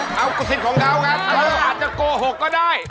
ไม่เอาสิทธิ์ของเรากันเราอาจจะโกหกก็ได้